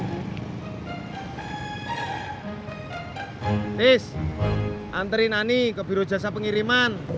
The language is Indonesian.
nis anterin ani ke biro jasa pengiriman